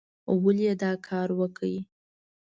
ولې یې دا کار وکه؟